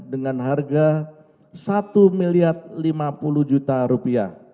dengan harga rp satu lima puluh